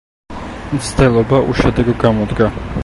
მცდელობა უშედეგო გამოდგა.